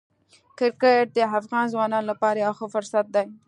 کرکټ د افغان ځوانانو لپاره یو ښه فرصت دی.